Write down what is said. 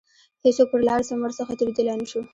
هیڅوک پر لاره سم ورڅخه تیریدلای نه شو.